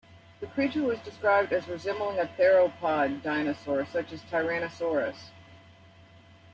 This creature was described as resembling a theropod dinosaur such as Tyrannosaurus.